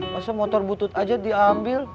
masa motor butut aja diambil